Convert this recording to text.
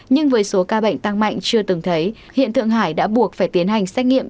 nhưng với số ca bệnh tăng mạnh chưa từng thấy hiện tượng hải đã buộc phải tiến hành xét nghiệm